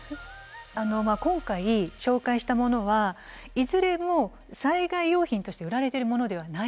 今回紹介したものはいずれも災害用品として売られてるものではないんです。